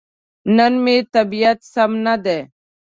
نن مې طبيعت سم ندی.